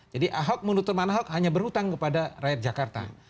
jadi ahok menurut teman ahok hanya berhutang kepada rakyat jakarta